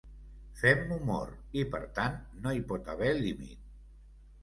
Fem humor i, per tant, no hi pot haver límit.